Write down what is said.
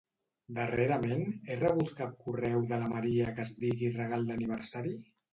Darrerament, he rebut cap correu de la Maria que es digui regal d'aniversari?